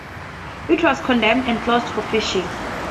It was condemned and closed for fishing.